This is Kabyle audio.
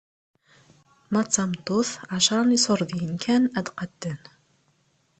Ma d tameṭṭut, ɛecṛa n iṣurdiyen kan ad qadden.